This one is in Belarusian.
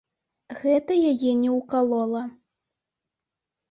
Гэта яе не ўкалола.